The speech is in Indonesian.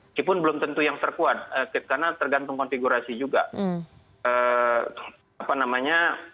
meskipun belum tentu yang terkuat karena tergantung konfigurasi juga